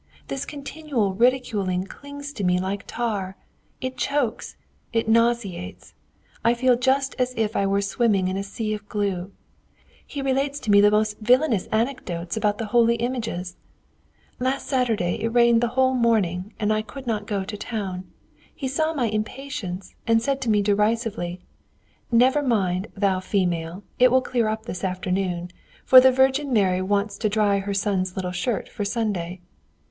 This continual ridiculing clings to me like tar; it chokes, it nauseates. I feel just as if I were swimming in a sea of glue. He relates to me the most villainous anecdotes about the holy images. Last Saturday it rained the whole morning, and I could not go to town. He saw my impatience, and said to me derisively, 'Never mind, thou female, it will clear up this afternoon, for the Virgin Mary wants to dry her son's little shirt for Sunday!'